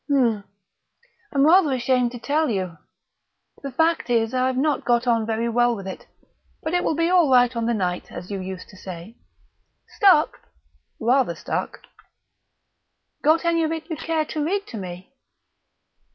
"Hm! I'm rather ashamed to tell you. The fact is, I've not got on very well with it. But it will be all right on the night, as you used to say." "Stuck?" "Rather stuck." "Got any of it you care to read to me?..."